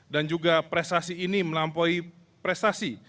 dan juga prestasi ini melampaui prestasi